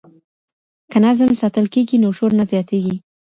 که نظم ساتل کېږي نو شور نه زیاتېږي.